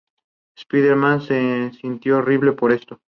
Spider-Man se sintió horrible por esto.